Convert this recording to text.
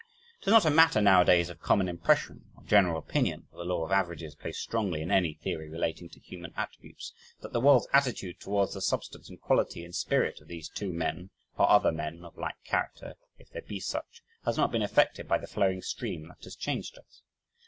Is it not a matter nowadays of common impression or general opinion (for the law of averages plays strongly in any theory relating to human attributes) that the world's attitude towards the substance and quality and spirit of these two men, or other men of like character, if there be such, has not been affected by the flowing stream that has changed us?